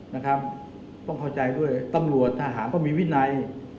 นะครับต้องเข้าใจด้วยตำรวจทหารต้องมีวินัย